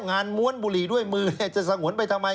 ม้วนบุหรี่ด้วยมือจะสงวนไปทำไม